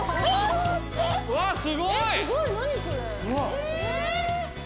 わすごい！